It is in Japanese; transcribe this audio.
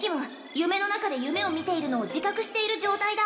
夢の中で夢を見ているのを自覚している状態だ